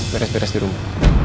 beres beres di rumah